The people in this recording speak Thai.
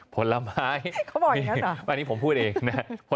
ผลไม้อันนี้ผมพูดเองนะฮะ